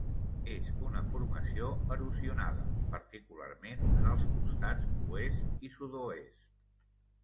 És una formació erosionada, particularment en els costats oest i sud-oest.